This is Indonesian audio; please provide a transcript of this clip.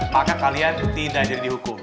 maka kalian tidak jadi dihukum